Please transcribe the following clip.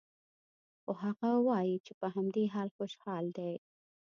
خو هغه وايي چې په همدې حال خوشحال دی